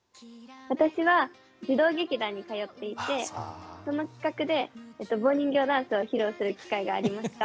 私は児童劇団に通っていてその企画で棒人形ダンスを披露する機会がありました。